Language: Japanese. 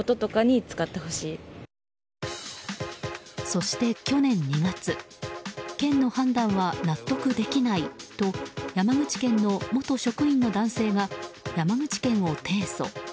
そして、去年２月県の判断は納得できないと山口県の元職員の男性が山口県を提訴。